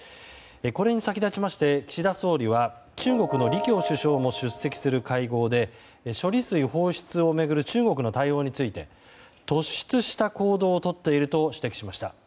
これに先立ちまして、岸田総理は中国の李強首相も出席する会合で処理水放出を巡る中国の対応について突出した行動をとっていると指摘しました。